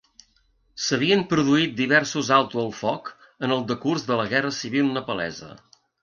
S'havien produït diversos alto el foc en el decurs de la guerra civil nepalesa.